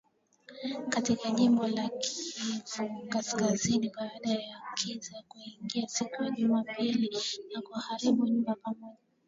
katika jimbo la Kivu kaskazini baada ya kiza kuingia siku ya Jumapili na kuharibu nyumba pamoja